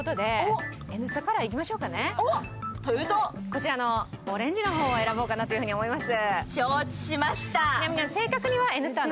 こちらのオレンジの方を選ぼうかと思います。